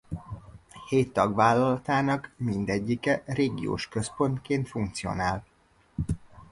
Hét tagvállalatának mindegyike régiós központként funkcionál.